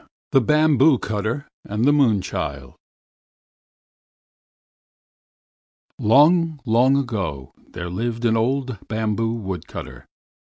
THE BAMBOO CUTTER AND THE MOON CHILD Long, long ago, there lived an old bamboo wood cutter.